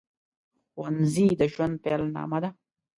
ښوونځي د ژوند پیل نامه ده